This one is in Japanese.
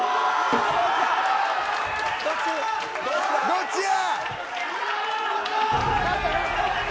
どっちや。